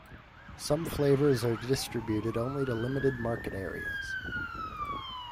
Some flavors are distributed only to limited market areas.